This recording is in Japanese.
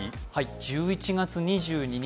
１１月２２日